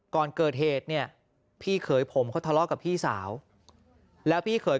ก่อนเกิดเหตุเนี่ยพี่เขยผมเขาทะเลาะกับพี่สาวแล้วพี่เขย